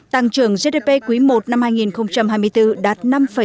tăng trưởng gdp quý i năm hai nghìn hai mươi bốn đạt năm sáu mươi sáu